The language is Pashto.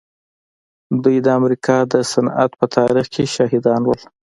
دوی د امريکا د صنعت په تاريخ کې شاهدان وو.